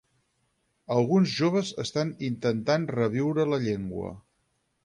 Alguns joves estan intentant reviure la llengua.